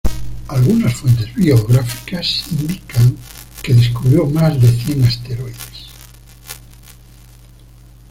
Algunas fuentes biográficas indican que descubrió más de cien asteroides.